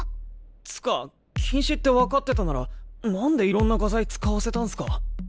つか禁止って分かってたならなんでいろんな画材使わせたんすか？